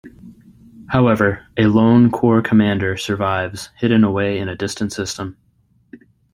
However, a lone Core Commander survives, hidden away in a distant system.